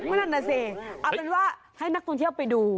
เอาเป็นว่าให้นักท่องเที่ยวไปดู